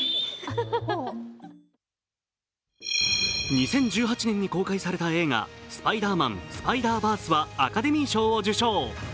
２０１８年に公開された映画「スパイダーマン：スパイダーバース」はアカデミー賞を受賞。